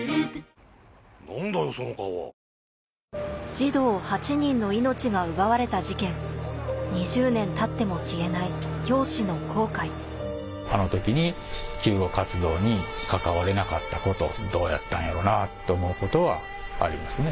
児童８人の命が奪われた事件２０年たっても消えない教師の後悔あの時に救護活動に関われなかったことどうやったんやろなと思うことはありますね。